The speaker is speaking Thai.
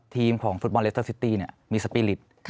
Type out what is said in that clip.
ทีมของฟุตบอลเลสเตอร์ซิตี้มีสปีริต